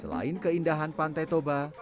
selain keindahan pantai toba